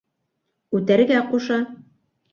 Үтәргә ҡуша.